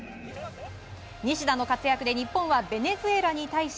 西田の活躍で日本はベネズエラに対し